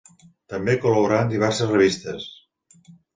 També col·laborà en diverses revistes.